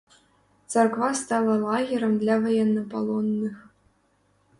Царква стала лагерам для ваеннапалонных.